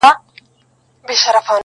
سل سپرلي دي را وسته چي راغلې ګلابونو کي,